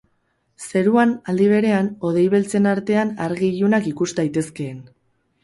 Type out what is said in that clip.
Zeruan, aldi berean, hodei beltzen artean, argi-ilunak ikus daitezkeen.